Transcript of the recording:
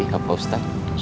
iya pak ustadz